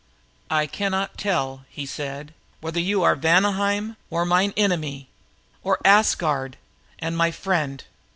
"I can not tell," said he, "whether you are of Vanaheim and mine enemy, or of Asgard and my friend.